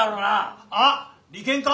あ利権か？